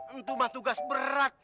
itu mah tugas berat